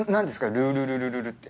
ルールルルルルって。